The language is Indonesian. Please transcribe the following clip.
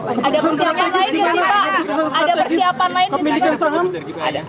ada persiapan lain ya sih pak ada persiapan lain di dalam gojek